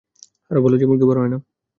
আর বলো যে মুরগি বড় হয় না।